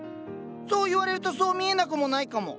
そう言われるとそう見えなくもないかも。